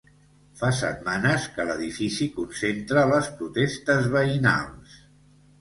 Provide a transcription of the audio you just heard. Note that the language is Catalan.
Fa setmanes que l'edifici concentra les protestes veïnals.